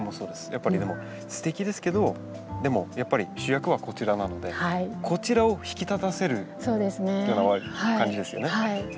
やっぱりでもすてきですけどでもやっぱり主役はこちらなのでこちらを引き立たせるような感じですよね。